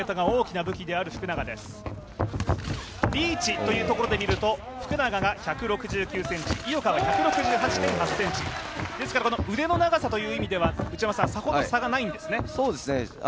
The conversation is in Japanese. リーチで見ると福永が１６９ｃｍ、井岡は１６８．８ｃｍ、ですから腕の長さという意味ではさほど差がないんですね。